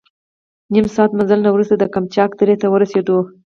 نیم ساعت مزل نه وروسته د قمچاق درې ته ورسېدو.